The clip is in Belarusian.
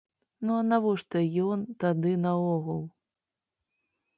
Ну а навошта ён тады наогул?